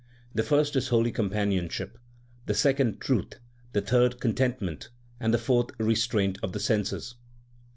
The first is holy companionship, the second truth, the third contentment, and the fourth restraint of the senses.